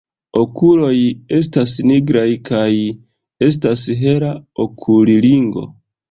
Okuloj estas nigraj kaj estas hela okulringo.